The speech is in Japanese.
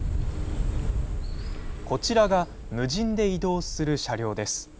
こちらが無人で移動する車両です。